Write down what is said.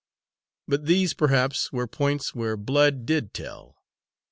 But, these, perhaps, were points where blood did tell.